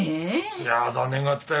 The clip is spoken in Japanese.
いやあ残念がってたよ。